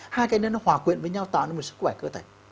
hai cái đó nó hòa quyện với nhau tạo ra một sức khỏe cơ thể